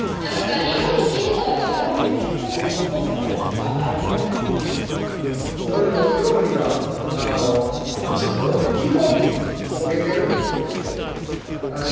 今の機能だったら水入れてなかったら音が鳴るとかあるかなと思ったんですけどそれで料理がちょっと基本焦げてるんですよえっ？